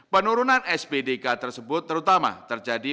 penurunan spdk tersebut terutama terjadi